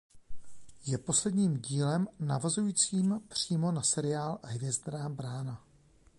Je posledním dílem navazujícím přímo na seriál "Hvězdná brána".